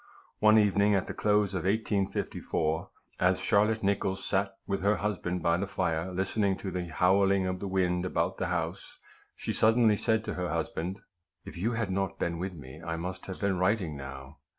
One evening, at the close of 1854, as Charlotte Nicholls sat with her husband by the fire, listening to the howling of the wind about the house, she suddenly said to her husband, " If you had not been with me, I must have been writing now."